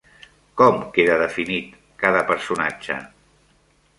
Com queda definit cada personatge?